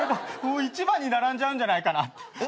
一番に並んじゃうんじゃないかなって。